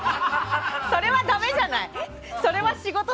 それはダメじゃない！